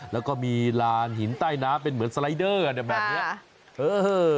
แล้วก็มีลานหินใต้น้ำเป็นเหมือนสไลเดอร์แบบนี้